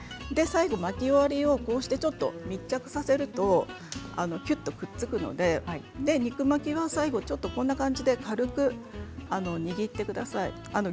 巻き終わりをちょっと密着させるときゅっとくっつくので肉巻きの最後はこんな感じで軽く握ってください。